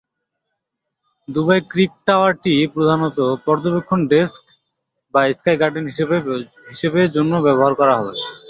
Dubai creek টাওয়ারটি প্রধানত পর্যবেক্ষণ ডেক বা স্কাই গার্ডেন হিসেবে জন্য ব্যবহার করা হবে।